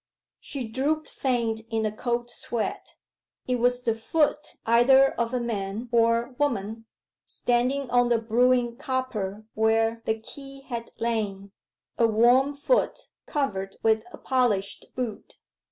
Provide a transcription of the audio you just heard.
She drooped faint in a cold sweat. It was the foot either of a man or woman, standing on the brewing copper where the key had lain. A warm foot, covered with a polished boot.